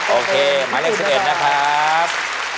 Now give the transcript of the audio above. โอเคหมายเลข๑๑นะครับ